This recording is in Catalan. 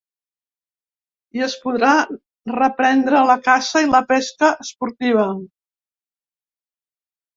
I es podrà reprendre la caça i la pesca esportiva.